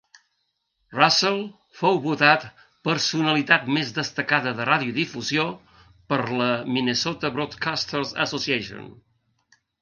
Russell fou votat "Personalitat més destacada de radiodifusió" per la Minnesota Broadcasters Association.